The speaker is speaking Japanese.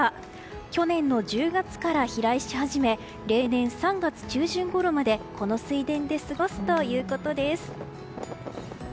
去年の１０月から飛来し始め例年３月中旬ごろまでこの水田で過ごすということです。